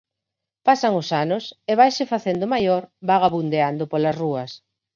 Pasan os anos e vaise facendo maior vagabundeando polas rúas.